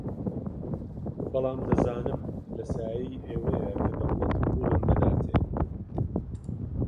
بەڵام دەزانم لە سایەی ئێوەیە کە دەوڵەت پووڵم دەداتێ